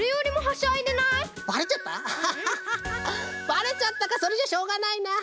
ばれちゃったかそれじゃしょうがないな。